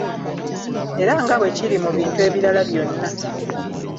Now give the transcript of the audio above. Era nga bwe kiri mu bintu ebirala byonna.